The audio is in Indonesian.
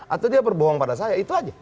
atau dia berbohong pada saya itu aja